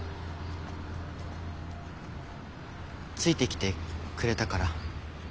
ついてきてくれたから。